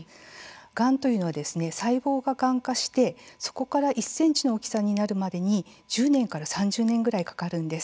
がんというのは細胞ががん化して、そこから１センチの大きさになるまでに１０年から３０年ぐらいかかるんです。